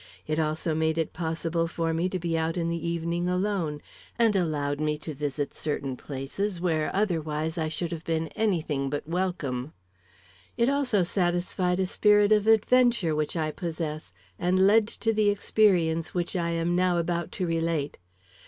It also made it possible for me to be out in the evening alone, and allowed me to visit certain places where otherwise I should have been any thing but welcome. It also satisfied a spirit of adventure which I possess, and led to the experience which I am now about to relate.